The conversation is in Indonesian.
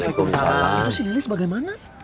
itu si lili sebagaimana